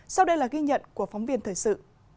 sau đây là ghi nhận của phóng viên thời sự